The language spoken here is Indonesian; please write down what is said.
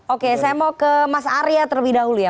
oke saya mau ke mas arya terlebih dahulu ya